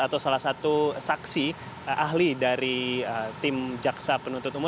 atau salah satu saksi ahli dari tim jaksa penuntut umum